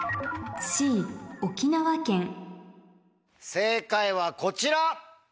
正解はこちら。